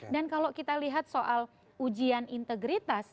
dan kalau kita lihat soal ujian integritas